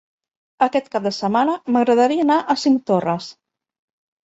Aquest cap de setmana m'agradaria anar a Cinctorres.